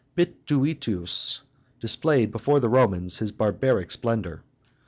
Bituitus displayed before the Romans his barbaric splendor.